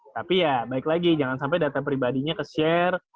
tapi ya baik lagi jangan sampai data pribadinya keshare